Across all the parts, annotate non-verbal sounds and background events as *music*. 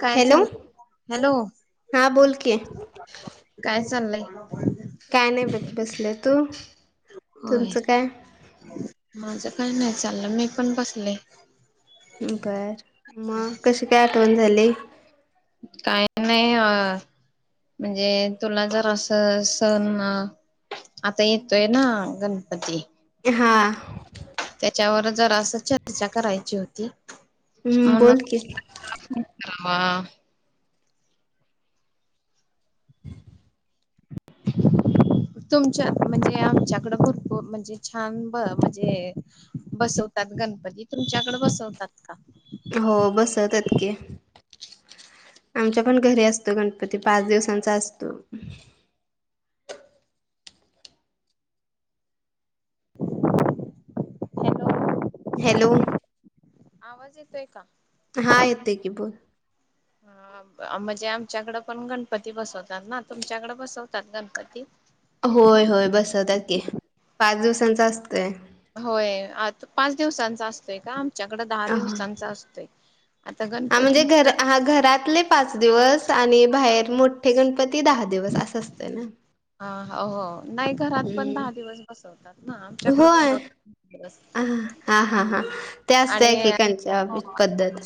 काय हॅलो चाललं, हॅलो? हा बोल की काय चाललंय, काय नाही ब बसलं तू, होय तुमचं काय माझ काय नाही, चाललं मी पण बसले. बरं मग कशी काय आठवण झाली, काही नाही अ, म्हणजे तुला जर अस सण, आता येतोय ना, गणपती. हां, त्याच्यावर जरा असं चर्चा करायची होती, हम्म म्हणून. बोल की म्हणून म्हटलं म, *inaudible* तुमच्या म्हणजे आमच्याकडे, भरपूर म्हणजे छान म्हणजे, बसवतात गणपती, तुमच्याकड बसवतात का? हो बसवत्यात की, आमच्या पण घरी असतो गणपती, पाच दिवसांचा असतो. Hello hello! आवाज येतोय का? हा येते की बोल, ह म्हणजे आमच्याकडं पण गणपती बसवतात ना, तुमच्याकडे बसवतात गणपती? होय होय बसवत्यात की, पाच दिवसांच असतय. होय आता पाच दिवसांचा असतोय, का आम त्याच्याकड दहा हा दिवसांचा असतोय, आता म्हणजे गणपती घर हा घरातले पाच दिवस, आणि बाहेर मोठे गणपती दहा दिवस असं असत ना, हा हो हो नाही, घरात पण दहा हम्म दिवस बसवतात ना, आमच्याकडे होय बसवतात दहा दिवस, हा हा, हा, हा त्या असत आणि एककांच्या हो पद्धत,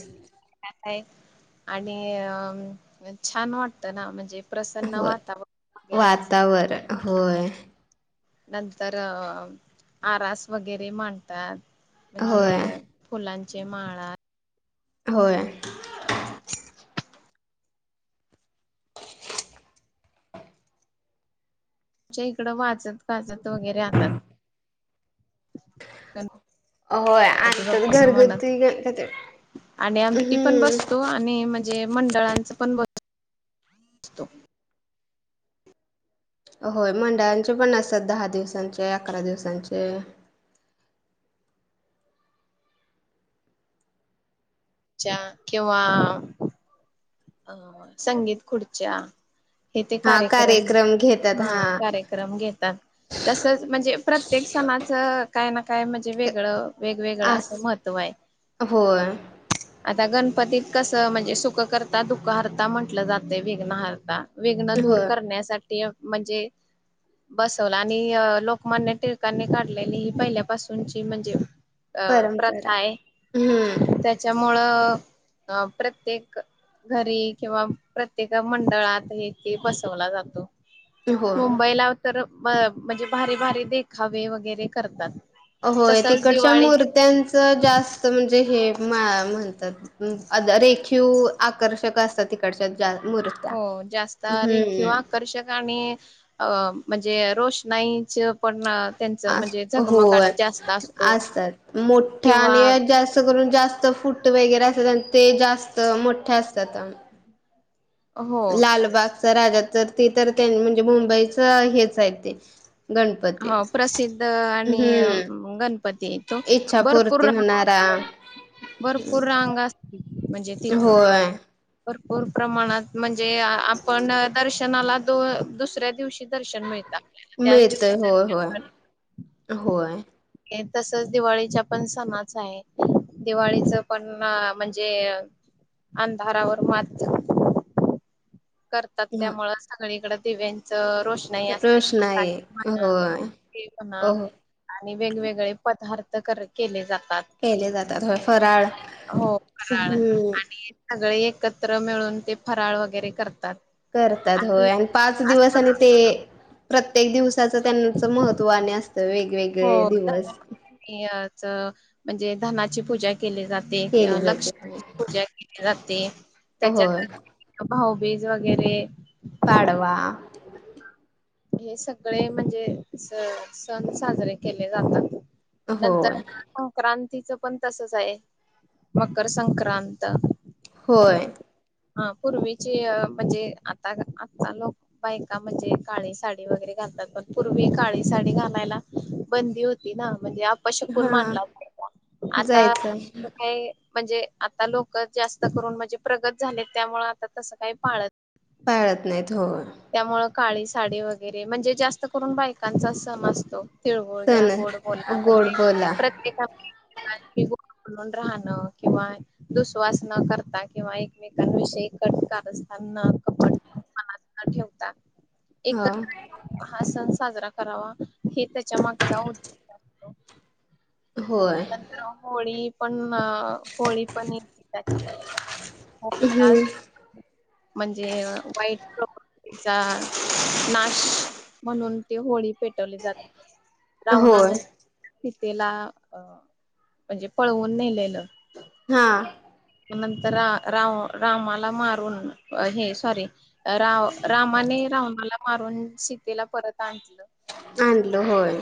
आणि अ छान वाटतं ना म्हणजे प्रसन्न वातावरण वगैरे असतं हो नंतर अ आरास वगैरे मांडतात म्हणजे होय फुलांचे माळ होय तच्या इकडं वाचत गजत वगैरे आतात होय गणपती आणिंत बाप्पा म्हणत घरगुती आणि आमटी पण हम्म बसतो आणि म्हणजे मंडळांच पण बस होय मंडळांचे पण असत दहा दिवसांचे अकरा दिवसांचे किंवा अ संगीत खुर्च्या हे ते कार्यक्रम हा कार्यक्रम घेतात तसंच म्हणजे प्रत्येक सणाचं काय ना काय म्हणजे वेगळं वेगवेगळं अस असं महत्व आहे *inaudible* होय आता गणपतीत कसं म्हणजे सुख करता दुखहरता म्हटलं जातय विघ्नहारता वेघनं दूर होय करण्यासाठी म्हणजे बसवला आणि लोकमान्य टिळकांनी काढलेली ही पहिल्यापासूनची म्हणजे अ प्रथा परंपरा आहे हम्म त्याच्यामुळं अ प्रत्येक घरी किंवा प्रत्येक मंडळात हे ते बसवला जातो होय मुंबईला तर म्हणजे भारी भारी देखावे वगैरे करतात होय तसच तिकडच्या दिवाळीत मूर्त्यांचं जास्त म्हणजे हे म्हणतात ् अ रेखीव आकर्षक असतात तिकडच्या ज मुर हो जास्तारी किंवा आकर्षक आणि म्हणजे रोषणाईच पण त्यांचं म्हणजे झगमगाट होय जास्त असतो. असतात मोठ्या किंवा आणि जास्त असं करून जास्त फूट वगैरे असतात ते जास्त मोठे असतात हो लालबागचा राजा तर ते तर त्यां म्हणजे मुंबईच हेच आहे ते गणपती हो प्रसिद्ध आणि हम्म अं गणपती आहे तो. इच्छापूर्ती भरपूर होणार तर भरपूर रांग असतील म्हणजे तिथं होय भरपूर प्रमाणात म्हणजे आपण दर्शनाला दो दुसऱ्या दिवशी दर्शन मिळत आपल्याला त्याच मिळतय दिवशी होय होय होय हे तसचं दिवाळीच्या पण सणाच आहे. दिवाळीच पण म्हणजे, अंधारावर मात करतात ह त्यामुळे सगळीकडं दिव्यांचं रोशन- नाही असतेय रोषणाई *unintelligible* म्हणा होय ते म्हणा हो हो आणि वेगवेगळे पदार्थ कर् केले जातात. केले जातात व्हय फराळ. हो फराळ हम्म सगळे एकत्र मिळून ते फराळ वगैरे करतात. करतात होय. आणि पाच दिवस आणि असं ते प्रत्येक दिवस्- दिवसाच त्यांच महत्त्व आणि असतं वेगवेगळे दिवस याच म्हणजे धनाची पूजा केली जाते केले किंव् जाते लक्ष्मी पूजा केली - जाते. होय त्याच्यानंतर भाऊबीज वगैरे- पाडवा. हे सगळे म्हणजे सण साजरे केले जातात. नंतर होय संक्रांतीच पण तसंच आहे. मकरसंक्रांत होय. हा पूर्वीचे म्हणजे आता आता लोक- बायका म्हणजे काळी साडी वगैरे घालतात पण पूर्वी काळी साडी घालायला बंदी होती ना म्हणजे आपशकून हा मानला आता जायचं काय म्हणजे आता लोक जास्त करून म्हणजे प्रगत झालेत त्यामुळे आता तसं काही पाळत पाळत नाहीत हो त्यामुं काळी साडी वगैरे म्हणजे जास्त करून बायकांचा सम असतो तिळबोळ घ्या सण गोड बोला गोड म्हणजे बोला प्रत्येका गड म्हणून राहणं किंवा- दुश्वास न करता किंवा एकमेकांविषयी कटकारस्थान न कपट- मनात ठेवता. हा एकत्र येऊन हा सण साजरा करावा, हे त्याच्या मागचा उद्- होय. होळी पण, होळी *unintelligible* त्याच्यामध्ये हम्म *unintelligible* म्हणजे वाईट प्र्- वृत्तीचा नाश म्हणून ती होळी पेटवली जाते. होय रावणानं सीतेला- अ् म्हणजे पळवून नेलेलं. हा. नंतर रा् राव् रामाला मारून हे सॉरी राव् रामाने रावणाला मारून सीतेला परत आणलं. आणलं होय.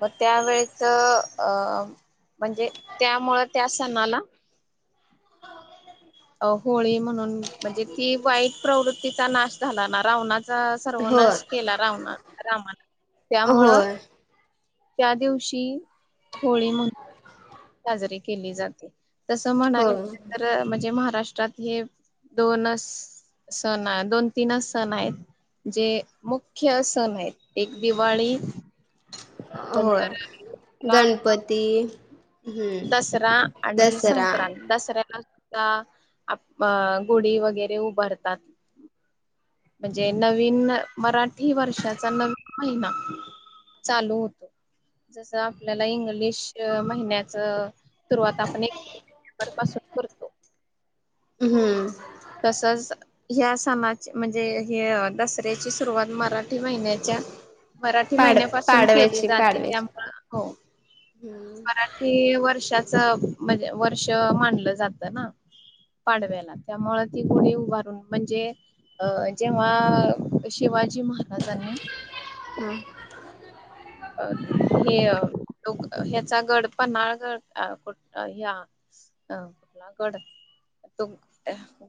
म् त्यावेेळेचं अ् म्हणजे त्यामुळं त्या सणाला अ् होळी म्हणून म्हणजे ती वाईट- प्रवृत्तीचा नाश झाला ना रावना्- होय सर्वनाश केला रावणानं, रामानं त्यामुळं होय त्या दिवशी होळी म्हणू- साजरी केली जाते. तर, हो म्हणाले तर म्हणजे महाराष्ट्रात हे दोनच सण दोन - तीनच सण आहेत. जे मुख्य सण आहेत- एक दिवाळी, होय. नंतर गणपती हम्म दसरा आणि दसरा संक्रांत, दसऱ्याला गुढी वगैरे उभारतात. म्हणजे नवीन मराठी वर्षाचा न महिना चालू होतो जस आपल्याला इंग्लिश महिन्यात रवात हम हम्म तसंच ह्या सणाची म्हणजे ह दसऱ्याची सुरुवात मराठी महिन्याच्या मराठी पाड महिन्यापासून केली पाडव्याची जाते पाडव्याची त्यामु हो मराठी वर्षाच म्हणजे वर्ष मानलं जात ना पाडव्याला त्यामुळे ती गुणी उभारून म्हणजे अ जेव्हा शिवाजी महाराजांनी नाही अ हेोक ह्याचा गड पनळगठ ह्या ह कोलाकोड तो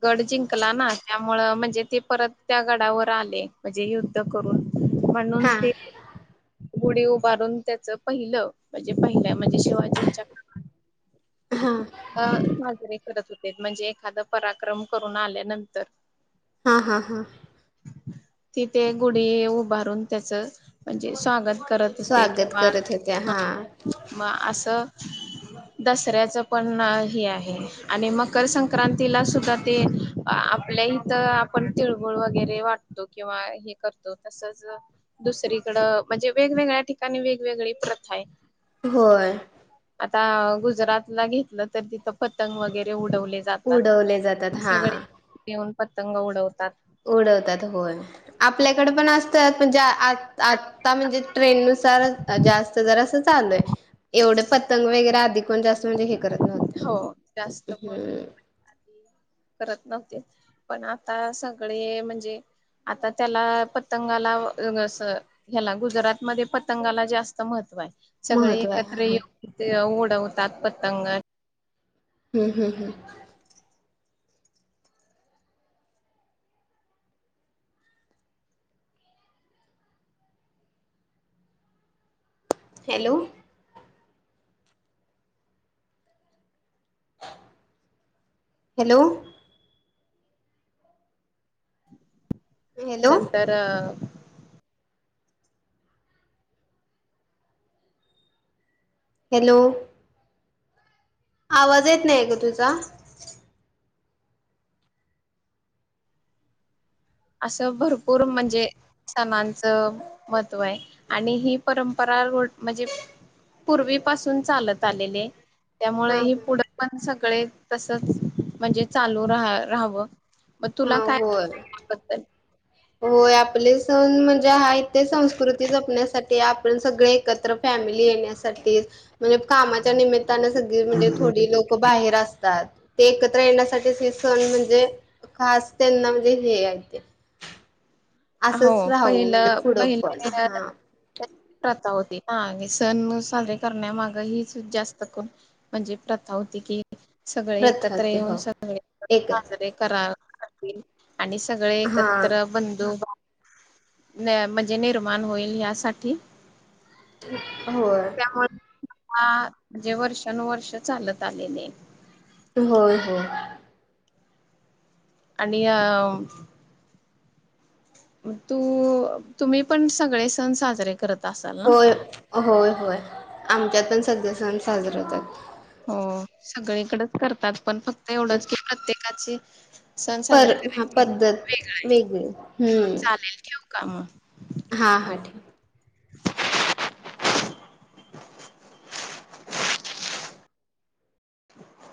गड जिंकला ना त्यामुळं म्हणजे ते परत त्या गडावर आले म्हणजे युद्ध करून म्हणून हा ते गुढी उभारून त्याच पहिलं म्हणजे पहिल्या म्हणजे शिवाजींच्या हा साजरे करत होते म्हणजे एखाद पराक्रम करून आल्यानंतर हा हा हा तिथे गुढी उभारून त्याच म्हणजे स्वागत करत होते स्वागत किंवा करत होत्या हा हं म् असं कऱ्याच पण हे आहे, आणि मकरसंक्रांतीला सुद्धा ते आपल्या इथं आ्- पण तिळगूळ वगैरे वाटतो किंवा हे करतो, तसच दुसरीकडं म्हणजे वेगवेगळ्या ठिकाणी वेगवेगळी प्रथा आहे. होय. आता गुजरात ला घेतलं तर तिथं पतंग वगैरे उडवले जात उडवले जातात हा सगळे येऊन पतंग उडवतात उडवतात होय आपल्याकडे पण असतात म्हणजे आ आता म्हणजे ट्रेन नुसार जास्त जरा असं चालय एवढे पतंग वगैरे आधिक पण जास्त म्हणजे हे करत नव्हतं हो जास्त कोणी हम् आधी करत नव्हते पण आता सगळे म्हणजे आता त्याला पतंगाला ह्याला गुजरातमध्येध्ये पतंगाला जास्त महत्त्व आहे सगळे महत्त्व आहे एकत्र हम्म येऊ ऊडऊ त आत्पतंग हम् हं् हं हॅलो हॅलो हॅलो नंतर हॅलो आवाज येत नाही ग तुझचा असं भरपूर म्हणजे सणांचं महत्त्व आहे आणि ही परंपरा म्हणजे पूर्वीपसून चालत आलेले त्यामुळे हा हे पुढे पण सगळे तसच म्हणजे चालू राहा राहावं मग तुला हा काय होय बद्दल होय आपले सण म्हणजे हा इथे संस्कृती जपण्यासाठी सग एकत्र फॅमिली येण्यासाठी म्हणजे कामाच्या निमित्ताने म्हणजे थोडी लोक बाहेर असतात ते एकत्र येण्यासाठी हे सण म्हणजे खस्त त्यांना म्हणजे ह हेये हो म्हणजे पहिलं पुढं पण पहिले हा प्रथा होती सण साजरे करण्यामाग हच जास्तण म्हणजे प्रथा होती कि सगळे प्रथा एकत्र ते हो येऊन एक आहे सगळेजरे करा लाग आणि सगळे हा एकत्र बंधू न मजे निर्माण होईल यासाठी हो त्यामुळे म म्हणजे वर्षानुवर्ष चालत आलेले होय हो आणि तू तुम्ही पण सगळे सण साजरे करत असाल ना होय होय होय आमच्यात पण सध्या सण साजरे होतात हो सगळीकडेच करतात पण फक्त एवढंच की प्रत्येकाची सण पर साजरे हा करायचे पद्धत वेगळा आहे वेगळी हम्म चालेल ठेव का मग हां हा ठीक आहे